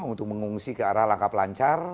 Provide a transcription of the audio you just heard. untuk mengungsi ke arah langkah pelancar